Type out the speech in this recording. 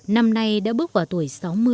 năm nay đã bước vào tuổi sáu mươi